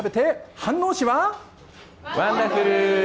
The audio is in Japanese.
ワンダフル。